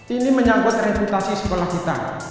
ini menyangkut reputasi sekolah kita